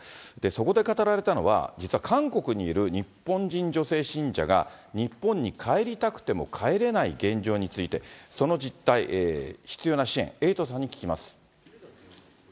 そこで語られたのは、実は韓国にいる日本人女性信者が、日本に帰りたくても帰れない現状について、その実態、必要な支援、エイトさんに聞きます。